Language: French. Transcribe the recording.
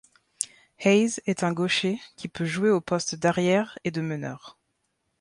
Hayes est un gaucher qui peut jouer aux postes d'arrière et de meneur.